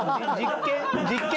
実験？